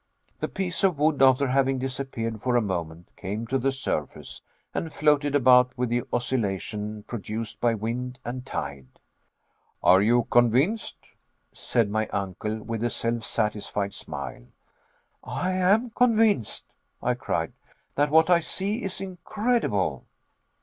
The piece of wood, after having disappeared for a moment, came to the surface, and floated about with the oscillation produced by wind and tide. "Are you convinced?" said my uncle, with a self satisfied smile. "I am convinced," I cried, "that what I see is incredible."